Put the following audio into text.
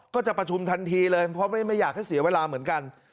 ก็จะประชุมทันทีเลยเพราะไม่อยากให้เสียเวลาเหมือนกัน